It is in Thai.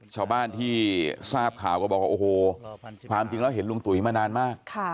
ชาวบ้านที่ทราบข่าวก็บอกว่าโอ้โหความจริงแล้วเห็นลุงตุ๋ยมานานมาก